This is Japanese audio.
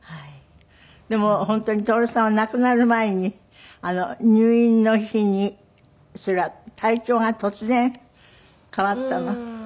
でも本当に徹さんは亡くなる前に入院の日にそれは体調が突然変わったの？